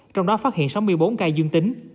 trong đó phát hiện sáu mươi bốn ca dương tính